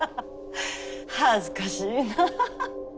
恥ずかしいなぁ。